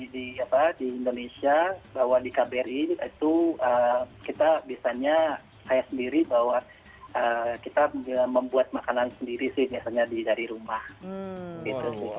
jadi di indonesia bahwa di kbri itu kita biasanya saya sendiri bahwa kita membuat makanan sendiri sih biasanya dari rumah